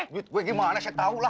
gue gimana saya tahu lah